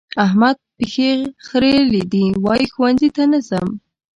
احمد پښې خرلې دي؛ وايي ښوونځي ته نه ځم.